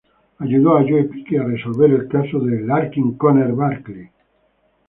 Ayudó a Joe Pike a resolver el caso de Larkin Conner Barkley.